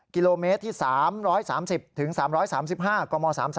กิโลเมตรที่๓๓๐๓๓๕กม๓๓